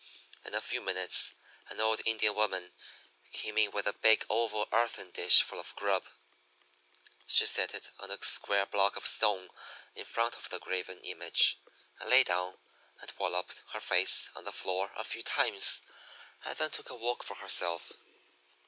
"In a few minutes an old Indian woman came in with a big oval earthen dish full of grub. She set it on a square block of stone in front of the graven image, and laid down and walloped her face on the floor a few times, and then took a walk for herself.